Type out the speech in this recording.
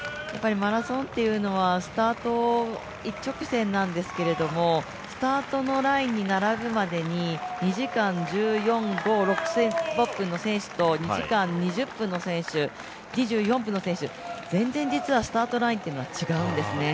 マラソンというのはスタート一直線なんですけど、スタートのラインに並ぶまでに２時間１４、１５、１６分の選手と２時間２０分の選手、２４分の選手、前々日はスタートラインっていうのは違うんですね。